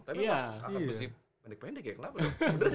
tapi angkat besi pendek pendek ya kenapa dong